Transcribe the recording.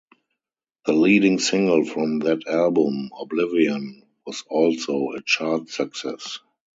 The leading single from that album, "Oblivion", was also a chart success.